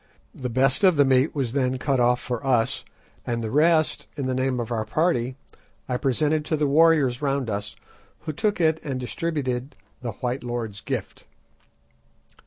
The best of the meat was then cut off for us, and the rest, in the name of our party, I presented to the warriors round us, who took it and distributed the "white lords' gift."